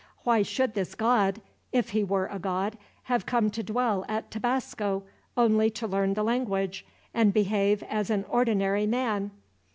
Why should this god, if he were a god, have come to dwell at Tabasco only to learn the language, and behave as an ordinary man?